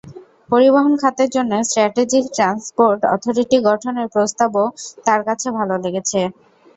পরিবহন খাতের জন্য স্ট্র্যাটেজিক ট্রান্সপোর্ট অথরিটি গঠনের প্রস্তাবও তাঁর কাছে ভালো লেগেছে।